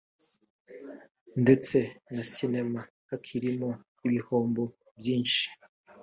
ndetse na Sinema hakirimo ibihombo byinshi